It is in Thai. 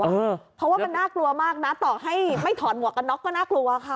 เพราะว่ามันน่ากลัวมากนะต่อให้ไม่ถอดหมวกกันน็อกก็น่ากลัวค่ะ